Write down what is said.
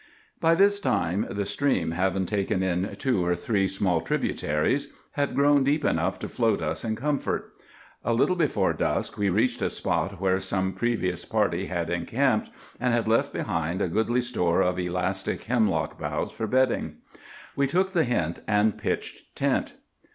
By this time the stream, having taken in two or three small tributaries, had grown deep enough to float us in comfort. A little before dusk we reached a spot where some previous party had encamped, and had left behind a goodly store of elastic hemlock boughs for bedding. We took the hint and pitched tent.